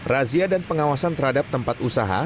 razia dan pengawasan terhadap tempat usaha